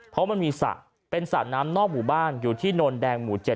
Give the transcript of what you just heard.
เพราะมันมีสระเป็นสระน้ำนอกหมู่บ้านอยู่ที่โนนแดงหมู่๗